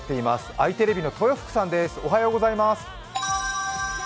あいテレビの豊福さんです。